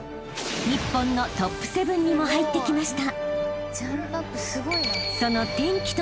［日本のトップ７にも入ってきました］